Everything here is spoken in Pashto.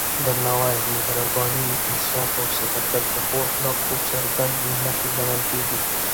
درناوی، مهرباني، انصاف او صداقت د ښو اخلاقو څرګندې نښې ګڼل کېږي.